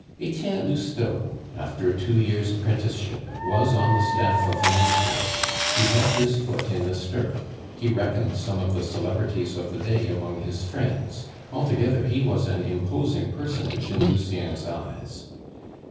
Etienne Lousteau, after a two years' apprenticeship, was on the staff of a newspaper; he had his foot in the stirrup; he reckoned some of the celebrities of the day among his friends; altogether, he was an imposing personage in Lucien's eyes.